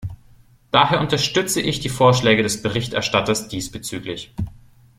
Daher unterstütze ich die Vorschläge des Berichterstatters diesbezüglich.